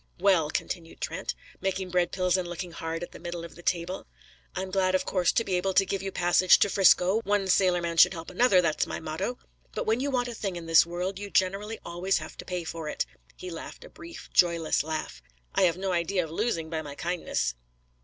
"Well," continued Trent, making bread pills and looking hard at the middle of the table, "I'm glad of course to be able to give you a passage to 'Frisco; one sailor man should help another, that's my motto. But when you want a thing in this world, you generally always have to pay for it." He laughed a brief, joyless laugh. "I have no idea of losing by my kindness."